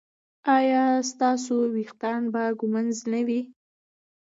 ایا ستاسو ویښتان به ږمنځ نه وي؟